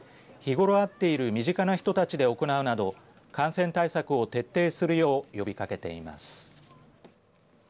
日頃会っている身近な人たちで行うなど感染対策を徹底するよう呼びかけています。